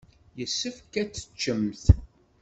Yessefk ad teččemt.